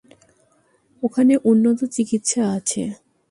ওখানে উন্নত চিকিৎসা আছে।